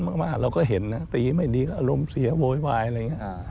ถ้าอารมณ์ร้อนมากเราก็เห็นนะตีไม่ดีก็อารมณ์เสียโว้ยวายอะไรอย่างนี้